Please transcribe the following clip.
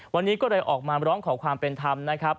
วันนี้ก็เลยออกมาร้องขอความเป็นธรรมนะครับ